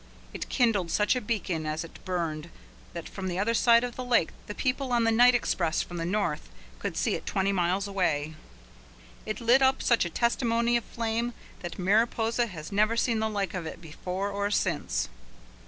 It kindled such a beacon as it burned that from the other side of the lake the people on the night express from the north could see it twenty miles away. It lit up such a testimony of flame that Mariposa has never seen the like of it before or since.